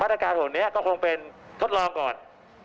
ตรการส่วนนี้ก็คงเป็นทดลองก่อน